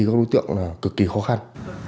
vì các đối tượng là cực kỳ khó khăn